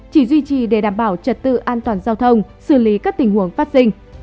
chỉ duy trì để đảm bảo trật tự an toàn giao thông xử lý các tình huống phát sinh